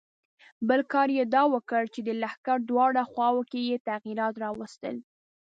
بل کار یې دا وکړ چې د لښکر دواړو خواوو کې یې تغیرات راوستل.